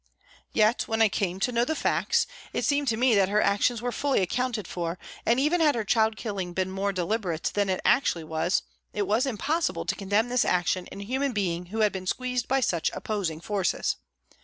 Yet when I came to know the facts, it seemed to me that her actions were fully accounted for, and even had her child killing been more deliberate than it actually was, it was impossible to condemn this action in a human being who had been squeezed by such opposing forces.